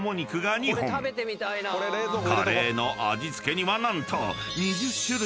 ［カレーの味付けには何と］